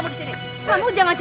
belum kamu kaya ngerti